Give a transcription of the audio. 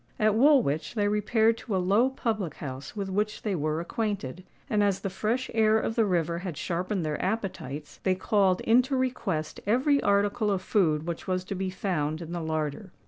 At Woolwich they repaired to a low public house with which they were acquainted; and, as the fresh air of the river had sharpened their appetites, they called into request every article of food which was to be found in the larder.